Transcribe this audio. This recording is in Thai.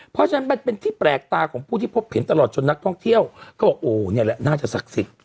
เพราะฉะนั้นมันเป็นที่แปลกตาของผู้ที่พบเห็นตลอดจนนักท่องเที่ยวเขาบอกโอ้นี่แหละน่าจะศักดิ์สิทธิ์